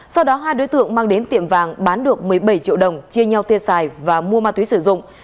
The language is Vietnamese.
sau đó hai đối tượng mang đến tiệm vàng bán được một mươi bảy triệu đồng chia nhau tiêu xài và mua ma túy sử dụng